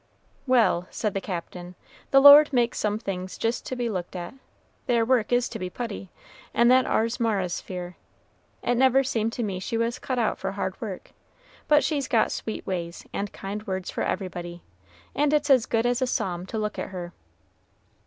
"Well," said the Captain, "the Lord makes some things jist to be looked at. Their work is to be putty, and that ar's Mara's sphere. It never seemed to me she was cut out for hard work; but she's got sweet ways and kind words for everybody, and it's as good as a psalm to look at her."